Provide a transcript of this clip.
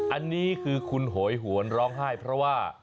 อันนี้คือคุณโหยหวนร้องไห้เพราะว่า